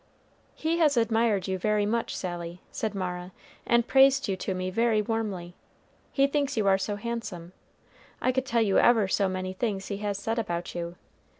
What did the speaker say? "He has admired you very much, Sally," said Mara, "and praised you to me very warmly. He thinks you are so handsome. I could tell you ever so many things he has said about you.